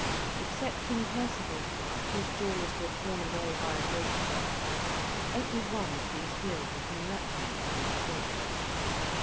Excepting Percival, whose jaws were torn away by a grape shot, everyone of these heroes miraculously escaped.